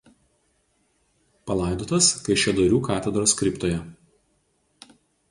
Palaidotas Kaišiadorių katedros kriptoje.